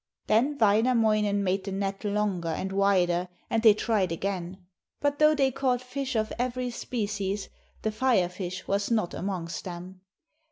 Then Wainamoinen made the net longer and wider and they tried again, but though they caught fish of every species, the Fire fish was not amongst them.